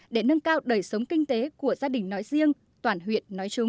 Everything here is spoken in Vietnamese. để nâng cao đời sống kinh tế của gia đình nói riêng toàn huyện nói chung